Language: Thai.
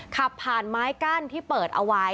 ขับผ่านไม้กั้นที่เปิดเอาไว้